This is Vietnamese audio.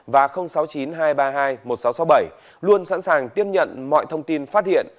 và sáu mươi chín hai trăm ba mươi hai một nghìn sáu trăm sáu mươi bảy luôn sẵn sàng tiếp nhận mọi thông tin phát hiện